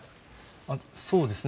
そうですね。